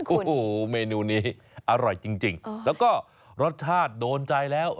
โอ้โหเมนูนี้อร่อยจริงแล้วก็รสชาติโดนใจแล้ว